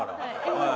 はい。